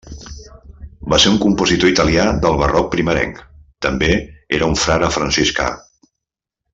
Va ser un compositor italià del Barroc primerenc; també era un frare franciscà.